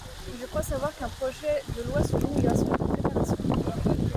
Je crois savoir qu’un projet de loi sur l’immigration est en préparation.